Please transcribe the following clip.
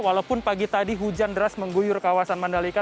walaupun pagi tadi hujan deras mengguyur kawasan mandalika